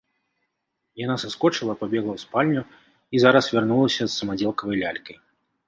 Яна саскочыла, пабегла ў спальню і зараз вярнулася з самадзелкавай лялькай.